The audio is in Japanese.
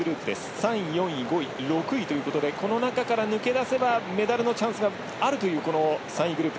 ３位、４位、５位、６位ということでこの中から抜け出せばメダルのチャンスがある３位グループ。